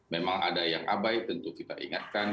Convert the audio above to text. memang ada yang abai tentu kita ingatkan